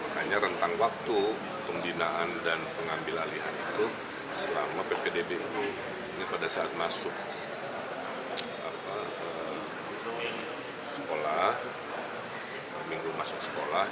hanya rentang waktu pembinaan dan pengambil alihan itu selama ppdb ini pada saat masuk sekolah